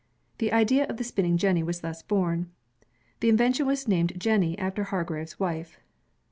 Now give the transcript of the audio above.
The idea of the spinning jenny was thus bom. The invention was named jenny after Hargreaves' wife.